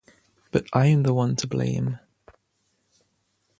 But I'm the one to blame.